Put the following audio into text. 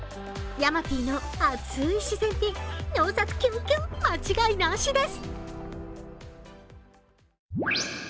山Ｐの熱い視線に悩殺キュンキュン間違いなしです。